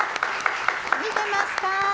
見てますか？